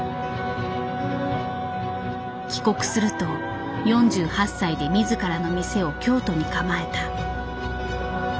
帰国すると４８歳で自らの店を京都に構えた。